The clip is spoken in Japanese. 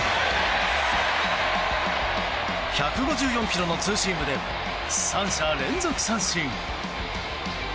１５４キロのツーシームで３者連続三振。